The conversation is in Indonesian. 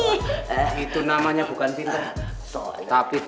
itu namanya bukan pinter